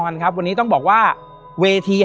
และยินดีต้อนรับทุกท่านเข้าสู่เดือนพฤษภาคมครับ